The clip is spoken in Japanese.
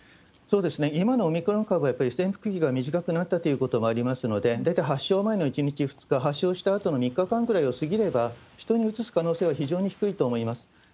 今のオミクロン株は、やっぱり潜伏期間が短くなったということもありますので、大体発症前の１日２日、発症前の３日間ぐらいを過ぎれば、人にうつす可能性は非常に低いと思います。